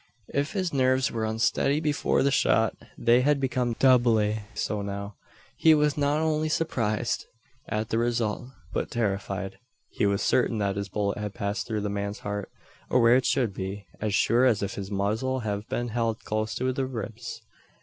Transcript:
If his nerves were unsteady before the shot, they had become doubly so now. He was not only surprised at the result, but terrified. He was certain that his bullet had passed through the man's heart or where it should be as sure as if his muzzle had been held close to the ribs.